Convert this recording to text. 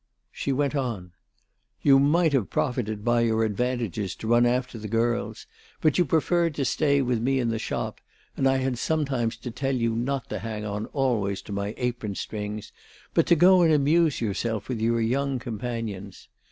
She went on: "You might have profited by your advantages to run after the girls, but you preferred to stay with me in the shop, and I had sometimes to tell you not to hang on always to my apron strings, but to go and amuse yourself with your young companions.